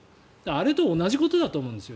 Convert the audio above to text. あれと同じことだと思うんですよ